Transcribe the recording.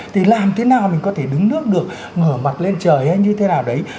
thì làm thế nào mình có thể đứng nước được mở mặt lên trời hay như thế nào đấy